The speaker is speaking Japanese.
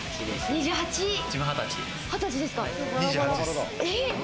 ２８です。